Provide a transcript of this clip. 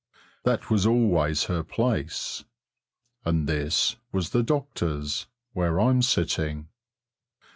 That was always her place, and this was the doctor's, where I'm sitting.